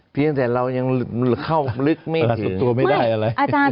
เพียงแต่เรายังเข้าลึกไม่ถึง